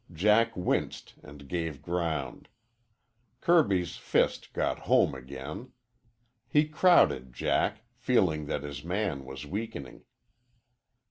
Jack winced and gave ground. Kirby's fist got home again. He crowded Jack, feeling that his man was weakening.